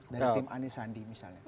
dari tim anisandi misalnya